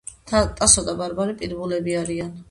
ტასო და ბარბარე პიდბულები არიან